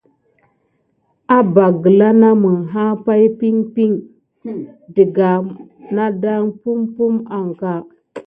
Aba gǝla namǝ, ah pan zin zin nanǝ, digga nadan nampumo ǝnka.